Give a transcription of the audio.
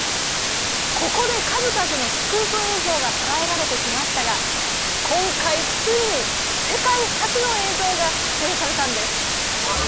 ここで数々のスクープ映像がとらえられてきましたが今回ついに世界初の映像が撮影されたんです！